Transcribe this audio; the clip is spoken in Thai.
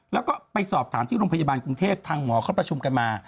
แล้วก็ไปสอบถามที่โรงพยาบาลกรุงเทพทางหมอเขาประชุมกันมา